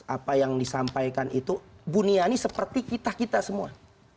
apa yang disampaikan itu buniani seperti kita kita semua